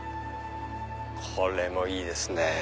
これもいいですね。